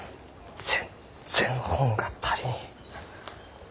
全然本が足りん。